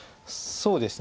そうですね。